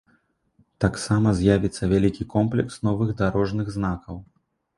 Таксама з'явіцца вялікі комплекс новых дарожных знакаў.